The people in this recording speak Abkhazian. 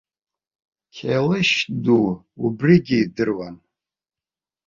Қьалышь ду убригьы идыруан.